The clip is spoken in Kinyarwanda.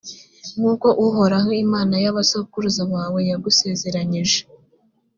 nk’uko uhoraho imana y’abasokuruza bawe yagusezeranyije.